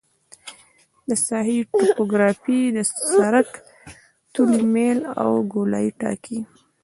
د ساحې توپوګرافي د سرک طولي میل او ګولایي ټاکي